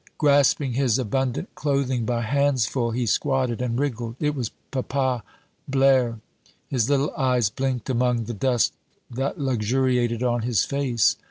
Grasping his abundant clothing by handsful, he squatted and wriggled. It was Papa Blaire. His little eyes blinked among the dust that luxuriated on his face.